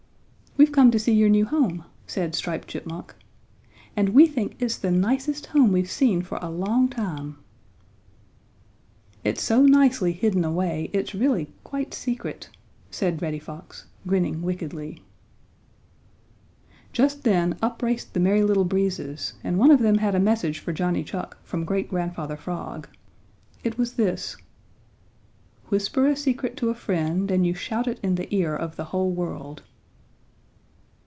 "We've come to see your new home," said Striped Chipmunk, "and we think it's the nicest home we've seen for a long time." "It's so nicely hidden away, it's really quite secret," said Reddy Fox, grinning wickedly. Just then up raced the Merry Little Breezes and one of them had a message for Johnny Chuck from Great Grandfather Frog. It was this: "Whisper a secret to a friend and you shout it in the ear of the whole world."